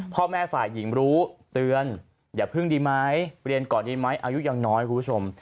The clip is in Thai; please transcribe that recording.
พ่อแม่ฝ่ายหญิงรู้เตือนอย่าพึ่งดีไหมเรียนก่อนดีไหมอายุยังน้อยคุณผู้ชม